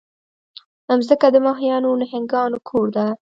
مځکه د ماهیانو، نهنګانو کور ده.